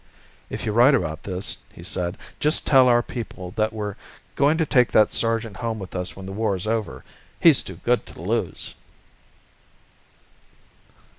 "If you write about this," he said, "just tell our people that we're going to take that sergeant home with us when the war's over. He's too good to lose."